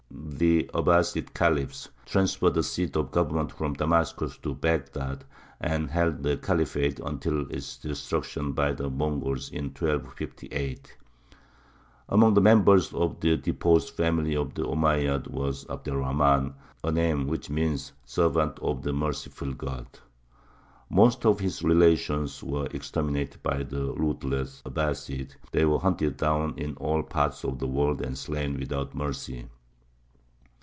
The Abbāside Khalifs transferred the seat of government from Damascus to Baghdad, and held the Khalifate until its destruction by the Mongols in 1258. Among the members of the deposed family of the Omeyyads was Abd er Rahmān, a name which means "Servant of the Merciful God." Most of his relations were exterminated by the ruthless Abbāside; they were hunted down in all parts of the world and slain without mercy.